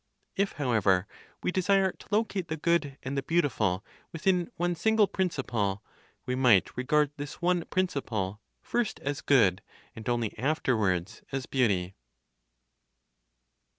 If, however, we desire to locate the Good and the Beautiful within one single principle, we might regard this one principle first as Good, and only afterwards, as Beauty.